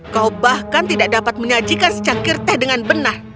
kau bahkan tidak dapat menyajikan secangkir teh dengan benar